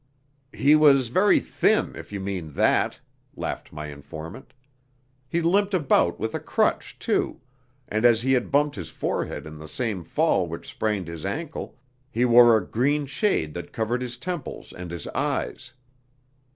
"He was very thin, if you mean that," laughed my informant. "He limped about with a crutch, too, and as he had bumped his forehead in the same fall which sprained his ankle, he wore a green shade that covered his temples and his eyes."